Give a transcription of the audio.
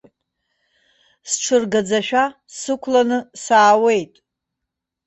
Сҽыргаӡашәа сықәланы саауеит.